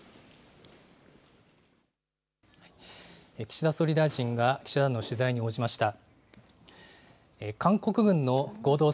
岸田総理大臣が、記者団の取材に応じました。